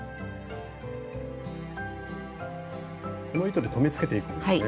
この糸で留めつけていくんですね。